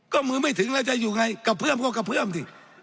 ก็มือไม่ถึงแล้วจะอยู่ไงกระเพื่อมก็กระเพื่อมดิ